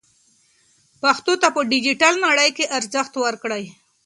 پښتو ته په ډیجیټل نړۍ کې ارزښت ورکړئ.